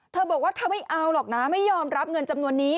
เธอบอกว่าเธอไม่เอาหรอกนะไม่ยอมรับเงินจำนวนนี้